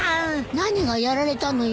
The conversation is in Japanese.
何がやられたのよ。